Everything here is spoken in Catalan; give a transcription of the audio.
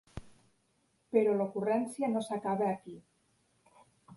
Però l’ocurrència no s’acaba aquí.